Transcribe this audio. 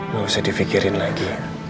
gak usah difikirin lagi